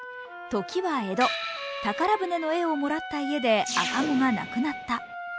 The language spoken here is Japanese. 時は江戸、宝船の絵をもらった家で赤子が亡くなった。